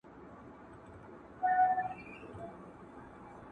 نوی منبر به جوړوو زاړه یادونه سوځو!!